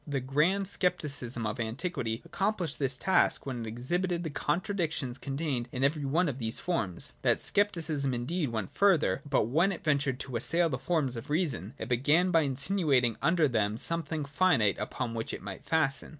The grand Scepticism of antiquity accomplished this task when it exhibited the contradictions contained in every one of these forms. That Scepticism indeed went further • but when it ventured to assail the forms of reason, it began by insinuating under them something finite upon which it might fasten.